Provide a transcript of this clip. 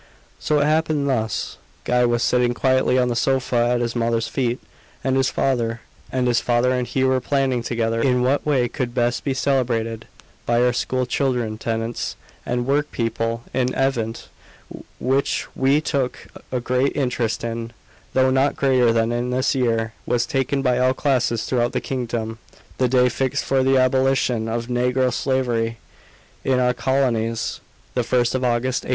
So it happened thus. Guy was sitting quietly on the sofa at his mother's feet, and his father and he were planning together in what way could best be celebrated, by our school children, tenants, and work people, an event which we took a great interest in, though not greater than in this year was taken by all classes throughout the kingdom the day fixed for the abolition of Negro Slavery in our Colonies the 1st of August, 1834.